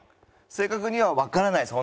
正確にはわからないです